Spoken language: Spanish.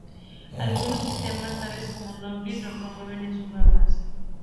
Algunos sistemas, tales como "Nobilis", lo promueven con sus normas.